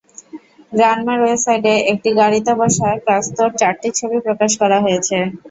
গ্রানমার ওয়েবসাইটে একটি গাড়িতে বসা কাস্ত্রোর চারটি ছবি প্রকাশ করা হয়েছে।